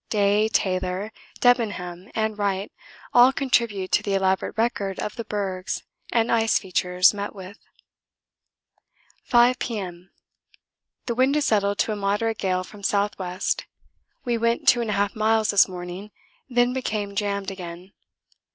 Day, Taylor, Debenham, and Wright all contribute to the elaborate record of the bergs and ice features met with. 5 P.M. The wind has settled to a moderate gale from S.W. We went 2 1/2 miles this morning, then became jammed again.